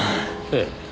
ええ。